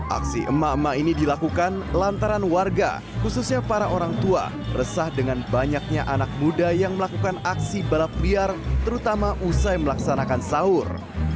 aksi emak emak ini dilakukan lantaran warga khususnya para orang tua resah dengan banyaknya anak muda yang melakukan aksi balap liar terutama usai melaksanakan sahur